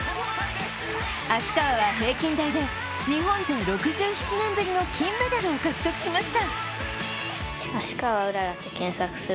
芦川は平均台で日本勢６７年ぶりの金メダルを獲得しました。